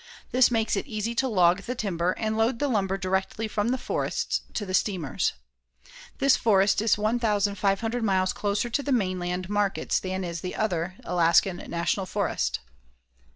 This makes it easy to log the timber and load the lumber directly from the forests to the steamers. This forest is 1500 miles closer to the mainland markets than is the other Alaskan National Forest.